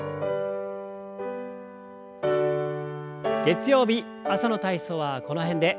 月曜日朝の体操はこの辺で。